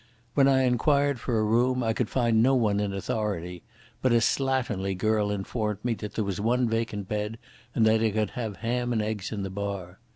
When I inquired for a room I could find no one in authority, but a slatternly girl informed me that there was one vacant bed, and that I could have ham and eggs in the bar.